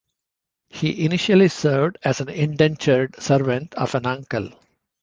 He initially served as an indentured servant of an uncle.